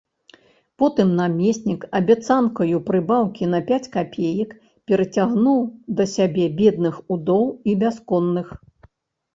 Потым намеснік абяцанкаю прыбаўкі на пяць капеек перацягнуў да сябе бедных удоў і бясконных.